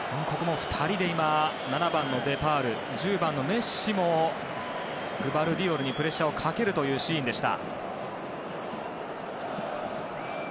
７番のデパウル１０番のメッシもグバルディオルにプレッシャーをかけるというシーンでした。